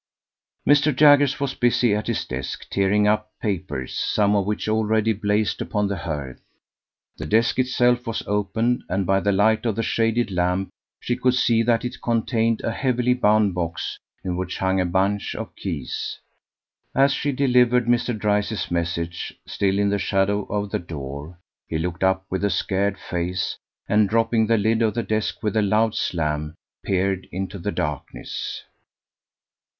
Mr. Jaggers was busy at his desk tearing up papers, some of which already blazed upon the hearth. The desk itself was open, and by the light of the shaded lamp she could see that it contained a heavily bound box in which hung a bunch of keys. As she delivered Mr. Dryce's message, still in the shadow of the door, he looked up with a scared face, and dropping the lid of the desk with a loud slam, peered into the darkness.